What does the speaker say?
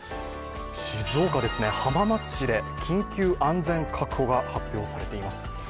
静岡・浜松市で緊急安全確保が発表されています。